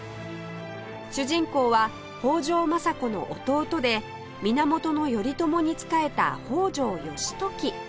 主人公は北条政子の弟で源頼朝に仕えた北条義時